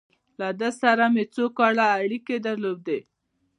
له ده سره مې څو کاله اړیکې درلودې.